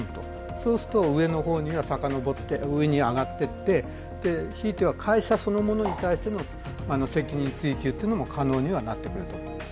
そうすると上の上がっていってひいては会社そのものに対しての責任追及も可能にはなってくると思います。